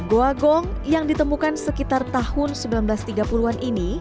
goa gong yang ditemukan sekitar tahun seribu sembilan ratus tiga puluh an ini